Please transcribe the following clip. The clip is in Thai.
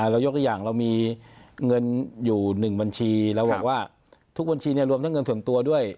ยกตัวอย่างเรามีเงินอยู่๑บัญชีเราบอกว่าทุกบัญชีรวมทั้งเงินส่วนตัวด้วย